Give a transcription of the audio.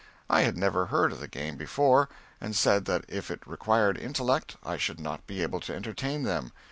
I had never heard of the game before, and said that if it required intellect, I should not be able to entertain them.